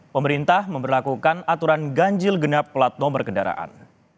pemerintah memperlakukan aturan ganjil genap pelatno berkendaraan